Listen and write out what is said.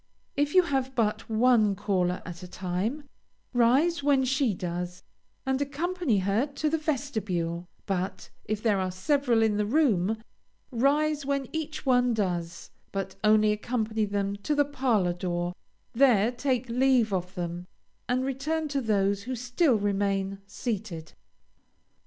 If you have but one caller at a time, rise when she does, and accompany her to the vestibule; but, if there are several in the room, rise when each one does, but only accompany them to the parlor door; there take leave of them, and return to those who still remain seated.